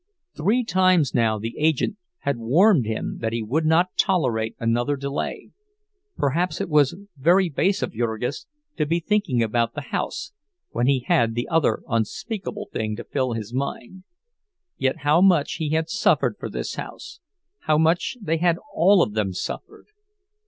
Three times now the agent had warned him that he would not tolerate another delay. Perhaps it was very base of Jurgis to be thinking about the house when he had the other unspeakable thing to fill his mind; yet, how much he had suffered for this house, how much they had all of them suffered!